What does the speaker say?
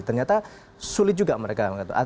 ternyata sulit juga mereka mengatakan